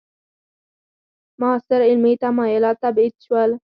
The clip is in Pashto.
معاصر علمي تمایلات تبعید شول.